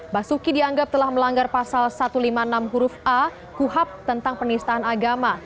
basuki dianggap telah melanggar pasal satu ratus lima puluh enam huruf a kuhab tentang penistaan agama